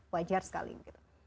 wajar sekali gitu